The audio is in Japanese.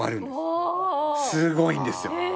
すごいんですよ。